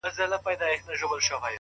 چي روږدي سوی له کوم وخته په گيلاس يمه;